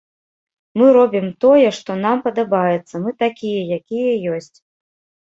Мы робім тое, што нам падабаецца, мы такія, якія ёсць.